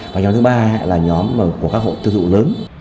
và nhóm thứ ba là nhóm của các hộ tiêu thụ lớn